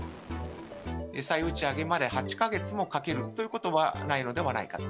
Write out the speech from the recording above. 再打ち上げまで８か月もかけるということはないのではないかな。